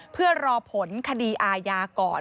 เพื่อรอผลคดีอาญาก่อน